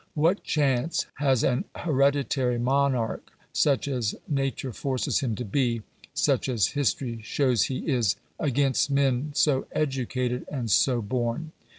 What chance has an hereditary monarch such as nature forces him to be, such as history shows he is, against men so educated and so born?